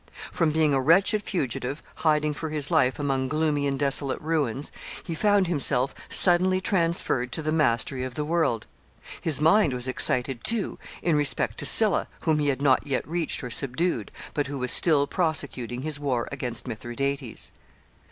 From being a wretched fugitive, hiding for his life among gloomy and desolate ruins, he found himself suddenly transferred to the mastery of the world. His mind was excited, too, in respect to Sylla, whom he had not yet reached or subdued, but who was still prosecuting his war against Mithridates.